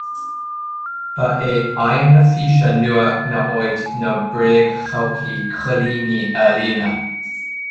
Ba é aidhm na físe nua ná áit na bréagshochaí coilíní a líonadh